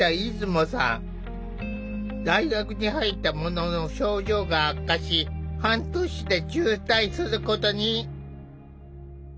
大学に入ったものの症状が悪化し半年で中退することに。